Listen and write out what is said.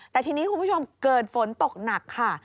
แต่ทีนี้คุณผู้ชมเกิดฝนตกหนักค่ะ